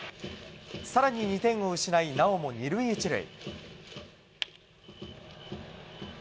さらに２点を失い、なおも２塁１塁。